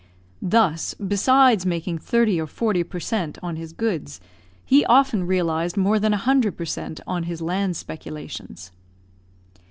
Thus, besides making thirty or forty per cent. on his goods, he often realised more than a hundred per cent. on his land speculations.